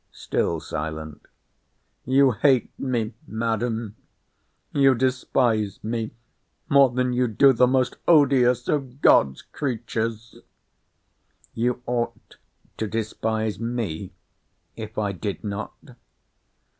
Still silent. You hate me, Madam! You despise me more than you do the most odious of God's creatures! You ought to despise me, if I did not.